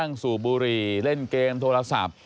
นั่งสู่บุรีเล่นเกมโทรศัพท์